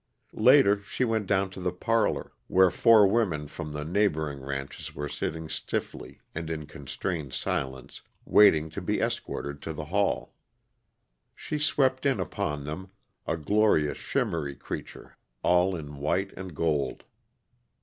Later, she went down to the parlor, where four women from the neighboring ranches were sitting stiffly and in constrained silence, waiting to be escorted to the hall. She swept in upon them, a glorious, shimmery creature all in white and gold.